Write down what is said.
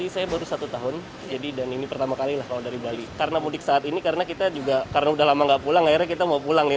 sejumlah pemudik menurut pemerintah bandara igusti ngurah rai bali